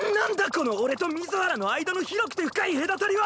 この俺と水原の間の広くて深い隔たりは！